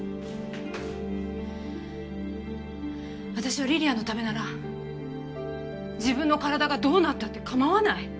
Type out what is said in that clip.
私は梨里杏の為なら自分の体がどうなったって構わない。